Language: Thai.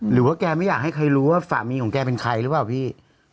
หรือว่าแกไม่อยากให้ใครรู้ว่าสามีของแกเป็นใครหรือเปล่าพี่